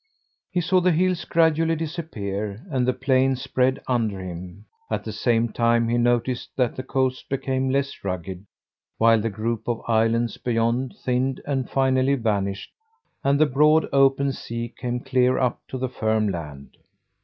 He saw the hills gradually disappear and the plain spread under him, at the same time he noticed that the coast became less rugged, while the group of islands beyond thinned and finally vanished and the broad, open sea came clear up to firm land.